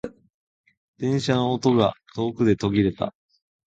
電車の音が遠くで途切れた。